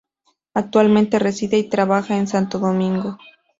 Actualmente reside y trabaja en Santo Domingo.